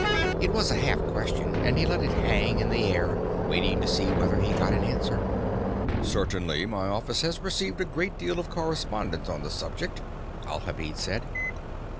It was a half question, and he let it hang in the air, waiting to see whether he got an answer. "Certainly my office has received a great deal of correspondence on the subject," Alhamid said.